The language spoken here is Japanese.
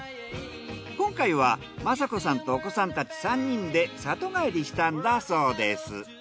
今回は真子さんとお子さんたち３人で里帰りしたんだそうです。